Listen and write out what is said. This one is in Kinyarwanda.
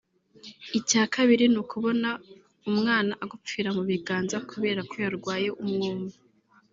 Icya kabiri ni ukubona umwana agupfira mu biganza kubera ko yarwaye umwuma